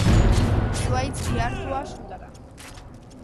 Zuhaitz ihartua, sutara.